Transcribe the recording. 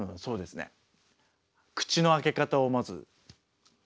口の開け方をまずやる。